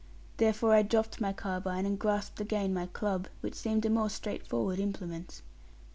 Therefore I dropped my carbine, and grasped again my club, which seemed a more straight forward implement.